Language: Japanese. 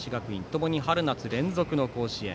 ともに春夏連続の甲子園。